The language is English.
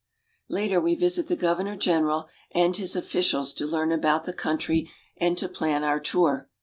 Later we visit the Governor General and his officials to learn about the country and to plan our tour.